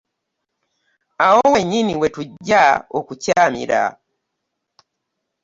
Awo wennyini we tujja okukyamira.